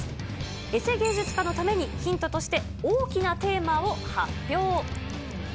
エセ芸術家のために、ヒントとして大きなテーマを発表。